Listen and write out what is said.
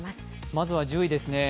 まずは１０位です。